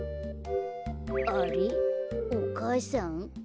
あれっお母さん？